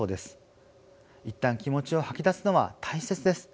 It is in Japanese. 一旦気持ちを吐き出すのは大切です。